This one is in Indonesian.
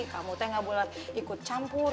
kamu teh gak boleh ikut campur